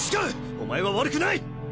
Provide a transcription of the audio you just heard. おまえは悪くない！